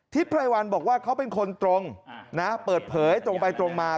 ไพรวัลบอกว่าเขาเป็นคนตรงนะเปิดเผยตรงไปตรงมา